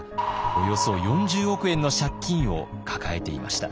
およそ４０億円の借金を抱えていました。